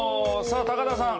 さあ高田さん